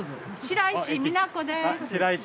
白石美奈子です。